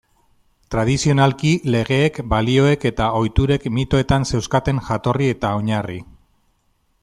Tradizionalki, legeek, balioek eta ohiturek mitoetan zeuzkaten jatorri eta oinarri.